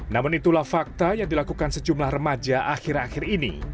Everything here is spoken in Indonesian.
namun itulah fakta yang dilakukan sejumlah remaja akhir akhir ini